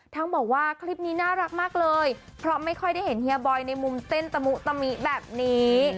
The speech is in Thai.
ทั้งบอกว่าคลิปนี้น่ารักมากเลยเพราะไม่ค่อยได้เห็นเฮียบอยในมุมเต้นตะมุตะมิแบบนี้